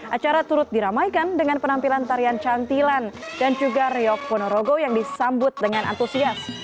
acara turut diramaikan dengan penampilan tarian cantilan dan juga riok ponorogo yang disambut dengan antusias